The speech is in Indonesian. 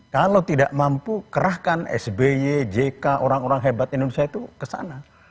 kalau tidak mampu kerahkan sby jk orang orang hebat indonesia itu kesana